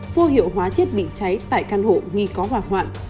vô hiệu hóa thiết bị cháy tại căn hộ nghi có hỏa hoạn